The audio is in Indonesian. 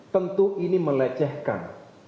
tentu ini melecehkan